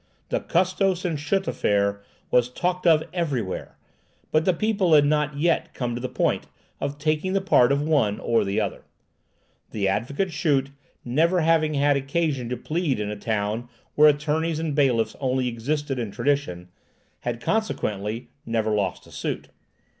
The Custos and Schut affair was talked of everywhere, but the people had not yet come to the point of taking the part of one or the other. The Advocate Schut, having never had occasion to plead in a town where attorneys and bailiffs only existed in tradition, had, consequently, never lost a suit.